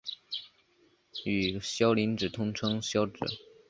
与鞘磷脂通称鞘脂。